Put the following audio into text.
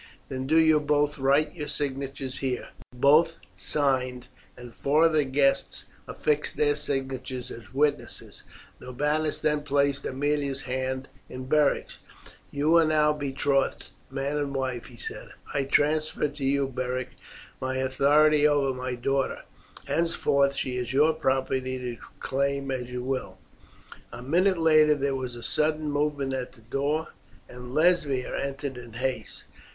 "Then do you both write your signatures here." Both signed, and four of the guests affixed their signatures as witnesses. Norbanus then placed Aemilia's hand in Beric's. "You are now betrothed man and wife," he said. "I transfer to you, Beric, my authority over my daughter; henceforth she is your property to claim as you will." A minute later there was a sudden movement at the door, and Lesbia entered in haste.